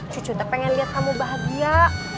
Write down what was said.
cucu tuh pengen liat kamu bahagia